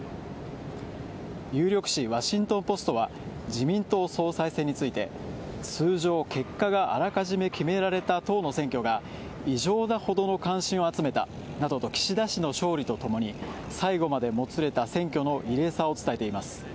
有力紙、ワシントン・ポストは自民党総裁選について、通常結果があらかじめ決められた、異常なほどの関心を集めたなどと、岸田氏の勝利とともに最後までもつれた選挙の異例さを伝えています。